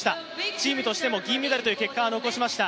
チームとしても銀メダルという結果を残しました。